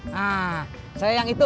nah saya yang itu